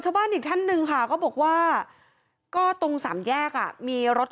ชาวบ้านอีกท่านหนึ่งค่ะก็บอกว่าก็ตรงสามแยกอ่ะมีรถ